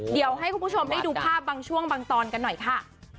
เดี๋ยวให้คุณผู้ชมได้ดูภาพบางช่วงบางตอนกันหน่อยค่ะ